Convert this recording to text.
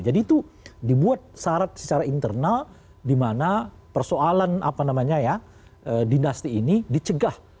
jadi itu dibuat syarat secara internal dimana persoalan apa namanya ya dinasti ini dicegah